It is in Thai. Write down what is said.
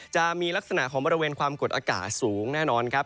จะมีลักษณะของบริเวณความกดอากาศสูงแน่นอนครับ